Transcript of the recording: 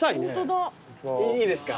いいですか？